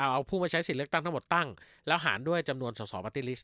เอาผู้มาใช้สิทธิ์เลือกตั้งทั้งหมดตั้งแล้วหารด้วยจำนวนสอสอปาร์ตี้ลิสต